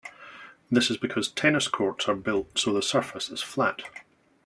This is because tennis courts are built so the surface is flat.